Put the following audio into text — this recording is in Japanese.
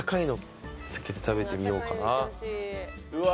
うわ